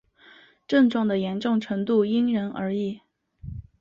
症状的严重程度因人而异。